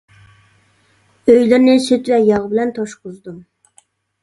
ئۆيلىرىنى سۈت ۋە ياغ بىلەن توشقۇزدۇم.